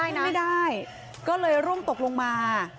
ไม่ได้ก็เลยร่วงตกลงมา